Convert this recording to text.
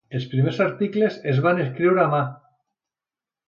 Els primers articles es van escriure a mà.